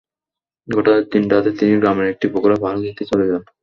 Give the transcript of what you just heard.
ঘটনার দিন রাতে তিনি গ্রামের একটি পুকুরে পাহারা দিতে চলে যান।